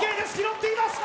拾っています